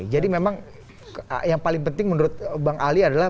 jadi memang yang paling penting menurut bang ali adalah